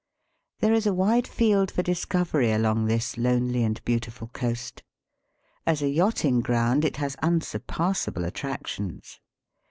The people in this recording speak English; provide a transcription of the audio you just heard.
There is a wide field for discovery along this lonely and beautiful coast. As a yacht ing ground it has unsurpassable attractions.